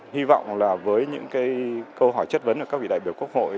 hy vọng là với những câu hỏi chất vấn của các vị đại biểu quốc hội